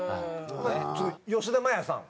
吉田麻也さん